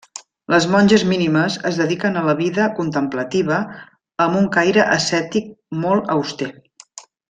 Les monges mínimes es dediquen a la vida contemplativa amb un caire ascètic molt auster.